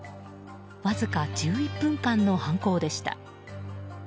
わずか１１分間の犯行でした。